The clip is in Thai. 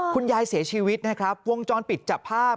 คุณยายเสียชีวิตนะครับวงจรปิดจับภาพ